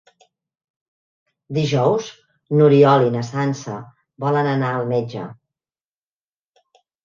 Dijous n'Oriol i na Sança volen anar al metge.